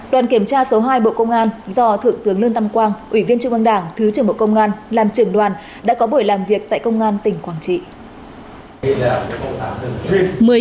đoàn kiểm tra số hai bộ công an do thượng tướng lương tâm quang ủy viên trung ương đảng thứ trưởng bộ công an làm trưởng đoàn đã có buổi làm việc tại công an tỉnh quảng trị